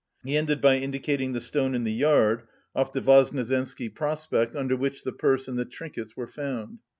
He ended by indicating the stone in the yard off the Voznesensky Prospect under which the purse and the trinkets were found.